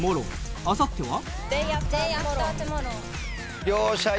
あさっては？